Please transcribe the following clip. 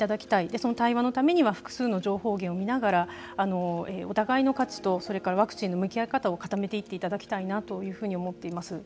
その対話のためには複数の情報源を見ながらお互いの価値とそれからワクチンの向き合い方を固めていっていただきたいと思います。